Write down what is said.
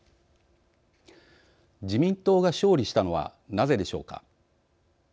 自民党が勝利したのはなぜでしょうか。